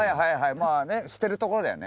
まぁね捨てるところだよね。